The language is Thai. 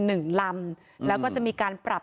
หนึ่งลำแล้วก็จะมีการปรับ